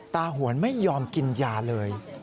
หวนไม่ยอมกินยาเลย